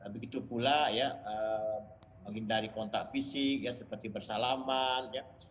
begitu pula menghindari kontak fisik seperti bersalaman